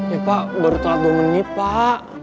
ya pak baru telat doang lagi pak